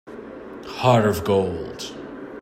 Heart of gold